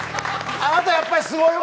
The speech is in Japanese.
あなたやっぱりすごいわ。